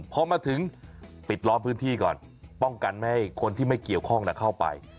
พอมาถึงปิดล้อควนปกกันให้คนที่ไม่เกี่ยวคล่องก็เข้าไป